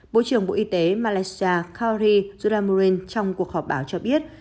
bộ trưởng bộ y tế malaysia khaori zulamurin trong cuộc họp báo cho biết